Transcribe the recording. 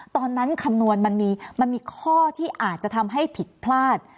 คำนวณมันมีข้อที่อาจจะทำให้ผิดพลาด